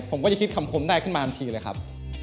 ผมก็จะคิดคำคมได้ขึ้นมาทันทีเลยครับ